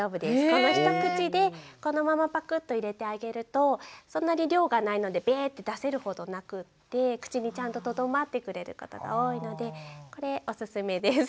この一口でこのままパクッと入れてあげるとそんなに量がないのでベーッて出せるほどなくって口にちゃんととどまってくれることが多いのでこれおすすめです。